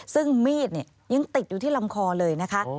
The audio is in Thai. ซึ่งมีดยังติดอยู่ที่ลำคอเลยนะคะ